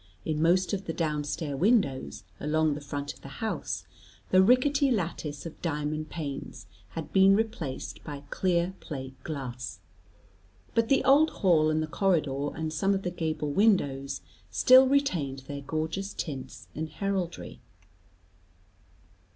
In most of the downstair windows along the front of the house, the rickety lattice of diamond panes had been replaced by clear plate glass, but the old hall, and the corridor, and some of the gable windows still retained their gorgeous tints and heraldry.